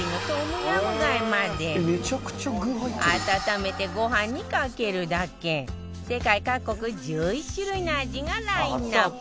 「めちゃくちゃ具入ってる」温めてご飯にかけるだけ世界各国１１種類の味がラインアップ